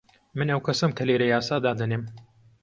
من ئەو کەسەم کە لێرە یاسا دادەنێم.